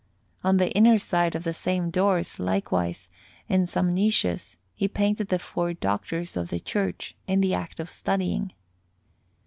On the inner side of the same doors, likewise, in some niches, he painted the four Doctors of the Church in the act of studying.